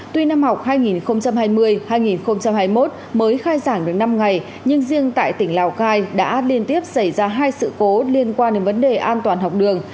tuy năm học hai nghìn hai mươi hai nghìn hai mươi một mới khai giảng được năm ngày nhưng riêng tại tỉnh lào cai đã liên tiếp xảy ra hai sự cố liên quan đến vấn đề an toàn học đường